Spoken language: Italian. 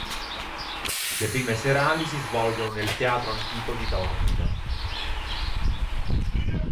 Le prime serali si svolgono nel Teatro antico di Taormina.